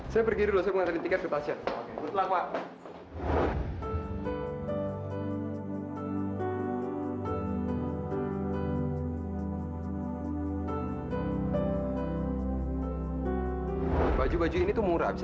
saya pergi dulu saya mau ngantri tiket ke tasha